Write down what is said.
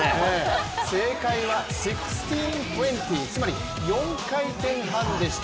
正解は１６２０、つまり４回転半でした。